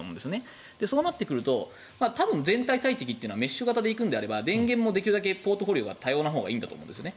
そうなってくると多分、全体最適というのはメッシュ型で行くのであれば電源もポートフォリオが多様なほうがいいと思うんです。